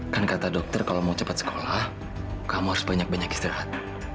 kan kata dokter kalau mau cepat sekolah kamu harus banyak banyak istirahat